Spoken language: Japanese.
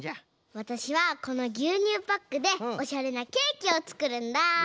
わたしはこのぎゅうにゅうパックでオシャレなケーキをつくるんだ！